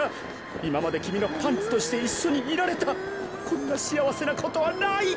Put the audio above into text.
いままできみのパンツとしていっしょにいられたこんなしあわせなことはない！